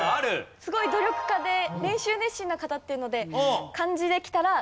すごい努力家で練習熱心な方っていうので。